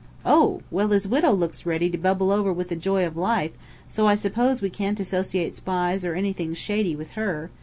"Oh! Well, his widow looks ready to bubble over with the joy of life, so I suppose we can't associate spies or anything shady with her?